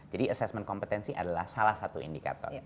jadi assessment kompetensi adalah salah satu indikator